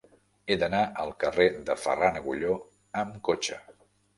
He d'anar al carrer de Ferran Agulló amb cotxe.